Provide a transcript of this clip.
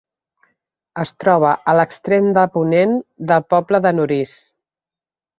Es troba a l'extrem de ponent del poble de Norís.